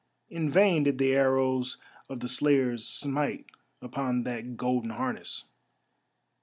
In vain did the arrows of the slayers smite upon that golden harness.